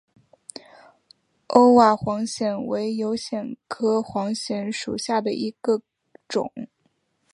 欧瓦黄藓为油藓科黄藓属下的一个种。